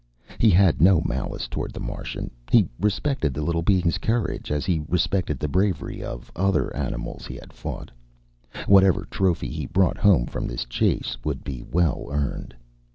He had no malice toward the Martian; he respected the little being's courage as he respected the bravery of the other animals he had fought. Whatever trophy he brought home from this chase would be well earned.